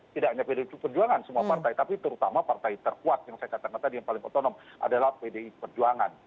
tidak hanya pdi perjuangan semua partai tapi terutama partai terkuat yang saya katakan tadi yang paling otonom adalah pdi perjuangan